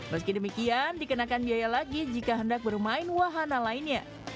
meski demikian dikenakan biaya lagi jika hendak bermain wahana lainnya